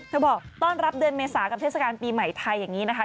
บอกต้อนรับเดือนเมษากับเทศกาลปีใหม่ไทยอย่างนี้นะคะ